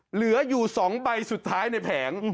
เหลืออยู่๒ใบสุดท้ายในแผง